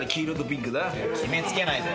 決めつけないで。